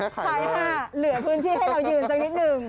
ภาย๕เหลือพื้นที่ให้เรายืนสักนิดหนึ่ง